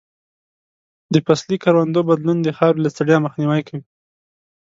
د فصلي کروندو بدلون د خاورې له ستړیا مخنیوی کوي.